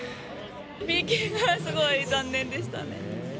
ＰＫがすごい残念でしたね。